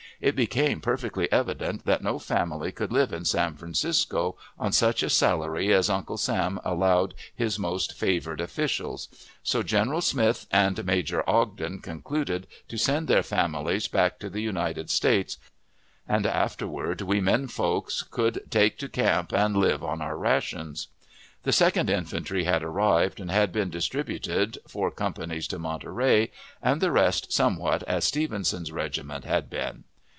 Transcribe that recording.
It became perfectly evident that no family could live in San Francisco on such a salary as Uncle Sam allowed his most favored officials; so General Smith and Major Ogden concluded to send their families back to the United States, and afterward we men folks could take to camp and live on our rations. The Second Infantry had arrived, and had been distributed, four companies to Monterey, and the rest somewhat as Stevenson's regiment had been.